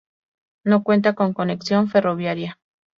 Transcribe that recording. No cuenta con conexión ferroviaria.